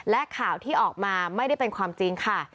และข่าวที่ออกมาไม่ได้เป็นความจริงค่ะ